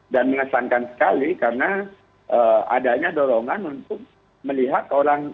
dan menyesankan sekali karena adanya dorongan untuk melihat orang